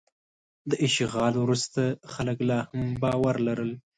د اشغال وروسته خلک لا هم باور لرل.